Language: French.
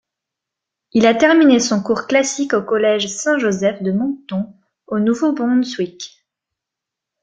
Il a terminé son cours classique au collège St-Joseph de Moncton au Nouveau-Brunswick.